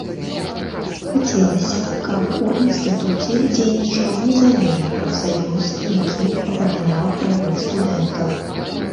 Хацелася, каб у інстытуце дзейнічаў незалежны прафсаюз, які б абараняў правы студэнтаў.